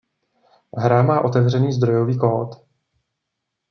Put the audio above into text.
Hra má otevřený zdrojový kód.